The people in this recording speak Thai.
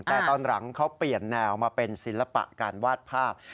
แต่ตอนหลังเขาเปลี่ยนแนวมาเป็นศิลปะการวาดภาพ